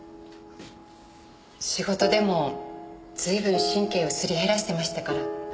仕事でも随分神経をすり減らしてましたから。